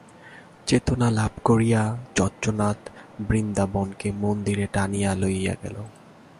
চেতনা লাভ করিয়া যজ্ঞনাথ বৃন্দাবনকে মন্দিরে টানিয়া লইয়া গেল।